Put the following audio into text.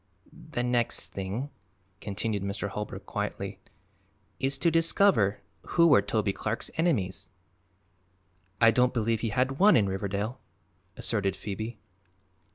"The next thing," continued Mr. Holbrook quietly, "is to discover who were Toby Clark's enemies." "I don't believe he had one in Riverdale," asserted Phoebe.